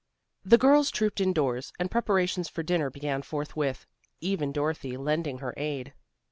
The girls trooped indoors, and preparations for dinner began forthwith, even Dorothy lending her aid.